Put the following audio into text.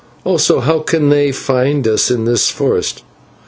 Also how can they find us in this forest?